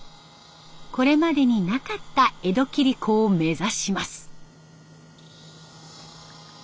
これまでになかった江戸切子を目指します。